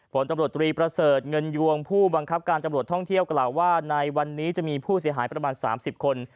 ผลตำรวจตรีประเสริฐเงินยวงผู้บังคับการตำรวจท่องเที่ยวกล่าวว่าในวันนี้จะมีผู้เสียหายประมาณ๓๐คน